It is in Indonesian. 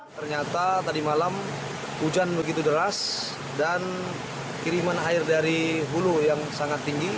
ternyata tadi malam hujan begitu deras dan kiriman air dari hulu yang sangat tinggi